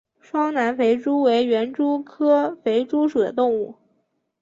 双南肥蛛为园蛛科肥蛛属的动物。